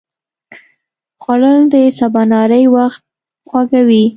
خوړل د سباناري وخت خوږوي